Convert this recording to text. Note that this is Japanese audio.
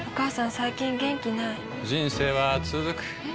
最近元気ない人生はつづくえ？